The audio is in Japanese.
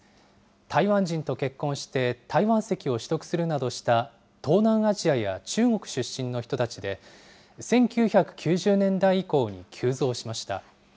台湾人と結婚して、台湾籍を取得するなどした東南アジアや中国出身の人たちで、１９９０年代以降に急増しました。